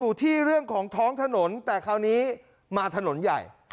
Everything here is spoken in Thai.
อยู่ที่เรื่องของท้องถนนแต่คราวนี้มาถนนใหญ่